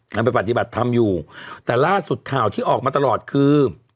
ยังไปปฏิบัติธรรมอยู่แต่ล่าสุดข่าวที่ออกมาตลอดคือ